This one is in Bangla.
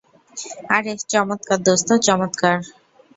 আরে, চমৎকার, দোস্ত, চমৎকার।